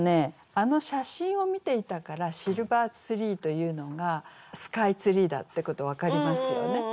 あの写真を見ていたから「シルバーツリー」というのがスカイツリーだってこと分かりますよね。